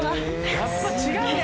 やっぱ違うね。